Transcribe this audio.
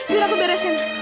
biar aku beresin